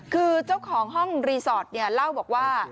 คือเจ้าของห้องรีสอร์ทเนี่ยเล่าบอกว่า